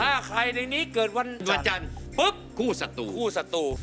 ถ้าใครในนี้เกิดวันจันทร์คู่ศัตรู